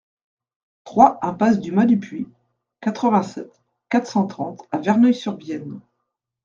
trois impasse du Mas du Puy, quatre-vingt-sept, quatre cent trente à Verneuil-sur-Vienne